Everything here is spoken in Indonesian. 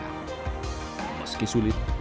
ketika mereka membuat perjalanan lebih sulit